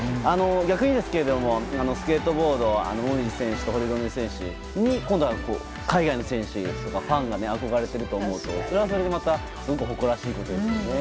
逆に、スケートボード堀米選手に今度は、海外の選手やファンが憧れていると思うとそれはそれでまたすごく誇らしいことですよね。